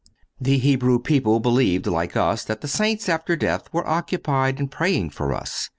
The Hebrew people believed, like us, that the saints after death were occupied in praying for us.